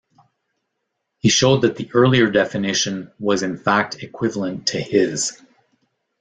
He showed that the earlier definition was in fact equivalent to his.